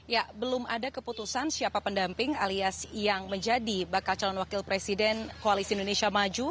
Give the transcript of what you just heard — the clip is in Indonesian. ya belum ada keputusan siapa pendamping alias yang menjadi bakal calon wakil presiden koalisi indonesia maju